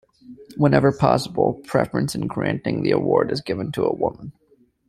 Whenever possible, preference in granting the award is given to a woman.